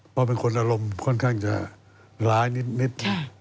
เพราะเป็นคนอารมณ์ค่อนข้างจะร้ายนิด